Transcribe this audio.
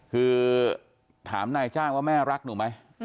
คือถามหน่ายจ้างแม่รักมั้ย